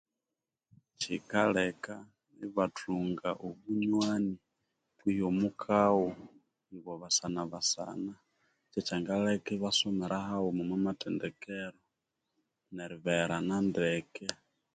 Kikalheka ibathunga obunywani kwehi omukagho ibo basanabasana kikalheka ibasomera haima omwamathendikero neribegherana ndeke